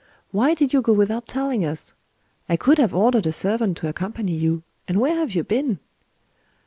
Why did you go without telling us? I could have ordered a servant to accompany you. And where have you been?"